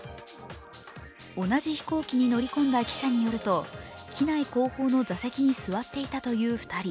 同じ飛行機に乗り込んだ記者によると機内後方の座席に座っていたという２人。